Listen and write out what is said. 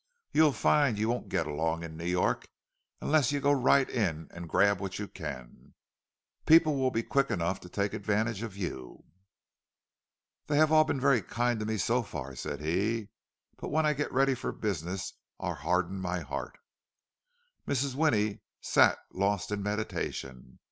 You'll find you won't get along in New York unless you go right in and grab what you can. People will be quick enough to take advantage of you." "They have all been very kind to me so far," said he. "But when I get ready for business, I'll harden my heart." Mrs. Winnie sat lost in meditation.